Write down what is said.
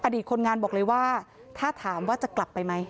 ตคนงานบอกเลยว่าถ้าถามว่าจะกลับไปไหม